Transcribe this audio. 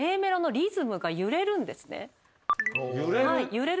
揺れる？